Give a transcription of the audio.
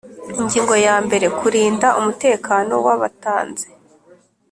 Ingingo ya mbere Kurinda umutekano w abatanze